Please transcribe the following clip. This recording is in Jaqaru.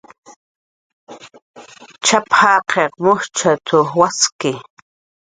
"Tx'ap"" jaqiq mujchat"" waski"